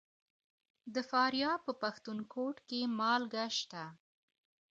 د فاریاب په پښتون کوټ کې مالګه شته.